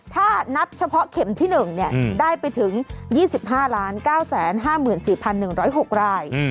ถ้านับเฉพาะเข็มที่๑ได้ไปถึง๒๕๙๕๔๑๐๖ราย